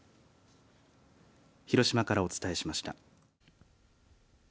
広島からお伝えしました。